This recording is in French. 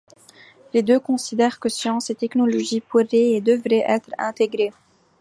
Les deux considèrent que sciences et technologie pourraient et devraient être intégrées.